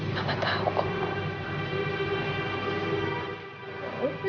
mama tau kok